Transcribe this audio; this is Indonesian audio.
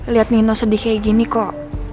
lihat nino sedih kayak gini kok